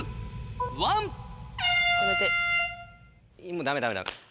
もうダメダメダメ。